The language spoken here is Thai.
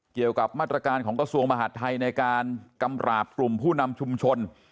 เกี่ยวกับมาตรการของกระทรวงมหาดไทยในการกำราบกลุ่มผู้นำชุมชน